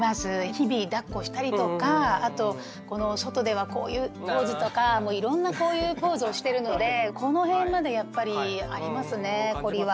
日々だっこしたりとかあと外ではこういうポーズとかもういろんなこういうポーズをしてるのでこの辺までやっぱりありますね凝りは。